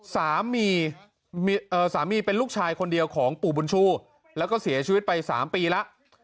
สามีสามีเป็นลูกชายคนเดียวของปู่บุญชูแล้วก็เสียชีวิตไป๓ปีแล้ว